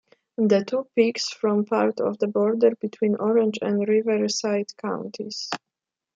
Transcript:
The two peaks form part of the border between Orange and Riverside Counties.